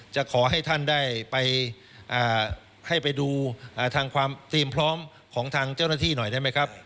จะขอให้ท่านได้ไปให้ไปดูทางความเตรียมพร้อมของทางเจ้าหน้าที่หน่อยได้ไหมครับ